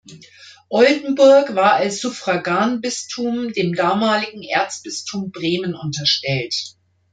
Oldenburg war als Suffraganbistum dem damaligen Erzbistum Bremen unterstellt.